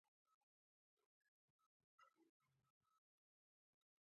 ایا زه باید د ریحان شربت وڅښم؟